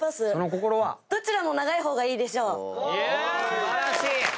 素晴らしい！